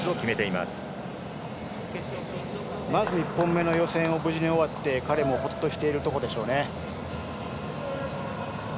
まず１本目の予選を無事に終わって彼もほっとしているところでしょう。